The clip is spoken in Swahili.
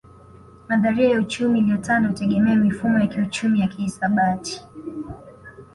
Nadharia ya uchumi iliyotanda hutegemea mifumo ya kiuchumi ya kihisabati